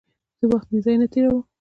زه وخت بېځایه نه تېرووم.